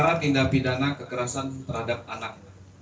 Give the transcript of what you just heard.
perkara tindak pidana kekerasan terhadap anak